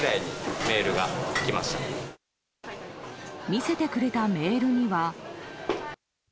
見せてくれたメールには。